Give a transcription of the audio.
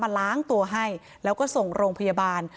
ล้างตัวให้แล้วก็ส่งโรงพยาบาล